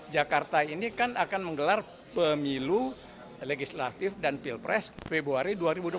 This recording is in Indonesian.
jakarta ini kan akan menggelar pemilu legislatif dan pilpres februari dua ribu dua puluh